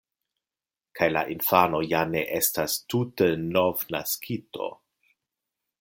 Kaj la infano ja ne estas tute novnaskito.